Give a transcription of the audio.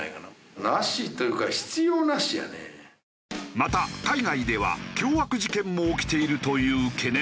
また海外では凶悪事件も起きているという懸念も。